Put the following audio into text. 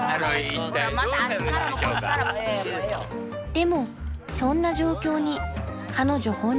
［でもそんな状況に彼女本人は］